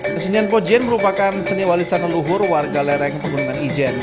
kesenian pojen merupakan seni walisan leluhur warga lereng pegunungan ijen